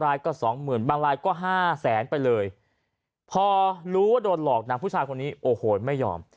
พอรู้ว่าะโดนหลอกอะผู้ชายคนนี้โอโหยไม่ยอม